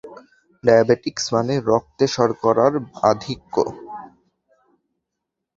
Diabetes মানে রক্তে শর্করার আধিক্য।